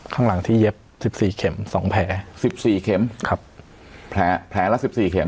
ข้างหลังที่เย็บสิบสี่เข็มสองแผลสิบสี่เข็มครับแผลแผลละสิบสี่เม็